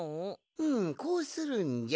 ふんこうするんじゃ。